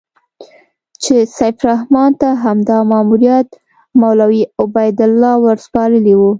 چې سیف الرحمن ته همدا ماموریت مولوي عبیدالله ورسپارلی و.